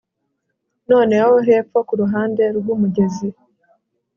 Noneho hepfo kuruhande rwumugezi